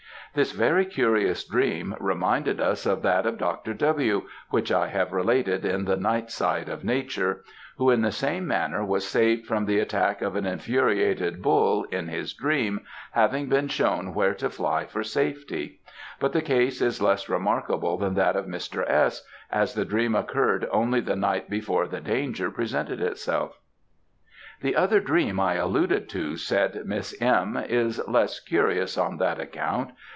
This very curious dream reminded us of that of Dr. W., which I have related in the "Night Side of Nature;" who in the same manner was saved from the attack of an infuriated bull, in his dream, having been shown where to fly for safety; but the case is less remarkable than that of Mr. S., as the dream occurred only the night before the danger presented itself. "The other dream I alluded to," said Miss M., "is less curious on that account.